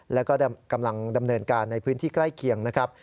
แล้วก็กำลังดำเนินการในพื้นที่ใกล้เคียงนะครับ